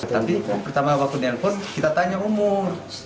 tapi pertama apapun nelpon kita tanya umur